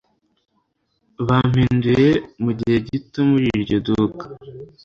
Bampinduye mugihe gito muri iryo duka.